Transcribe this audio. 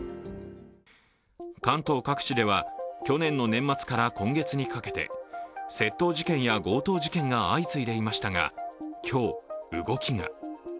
関東各地では去年の年末から今月にかけて窃盗事件や強盗事件が相次いでいましたが、今日、動きが。